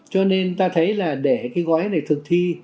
cho nên ta thấy là để cái gói này thực thi